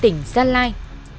tỉnh giang lai